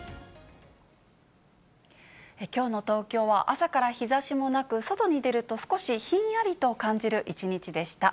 きょうの東京は、朝から日ざしもなく、外に出ると少しひんやりと感じる一日でした。